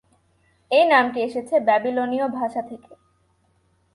এই নামটি এসেছে ব্যাবিলনীয় ভাষা থেকে।